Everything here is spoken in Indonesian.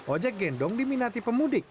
ojek gendong diminati pemudik